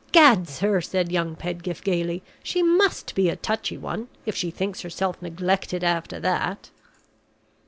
Gad, sir!" said young Pedgift, gayly, "she must be a Touchy One if she thinks herself neglected after that!"